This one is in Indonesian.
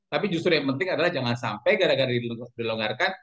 tapi justru yang penting adalah jangan sampai gara gara dilonggarkan